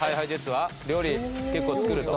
は料理結構作る人。